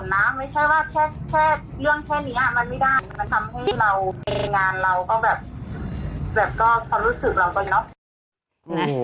มันไม่ได้มันทำให้เรางานเราก็แบบแบบก็ความรู้สึกเรากันเนอะ